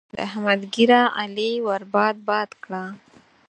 د احمد ږيره؛ علي ور باد باد کړه.